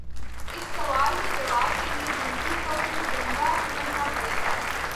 اس سوال کے جواب کے لیے زندگی کو فی الجملہ سمجھنا پڑے گا۔